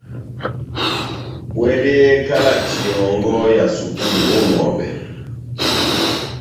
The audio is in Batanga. Wɛdɛhɛ kalati yɔ́ngɔ ya sukulu ó ŋʼhɔbɛ.